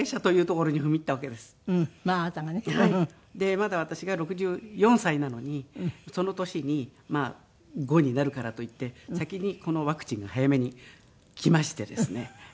まだ私が６４歳なのにその年に６５になるからといって先にワクチンが早めにきましてですね。